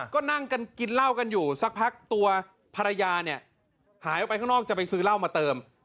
ก็นั่งกันกินเหล้ากันอยู่สักพักตัวภรรยาเนี่ยหายออกไปข้างนอกจะไปซื้อเหล้ามาเติม